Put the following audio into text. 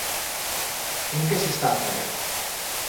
En que se está a fallar?